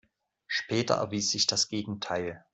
Später erwies sich das Gegenteil.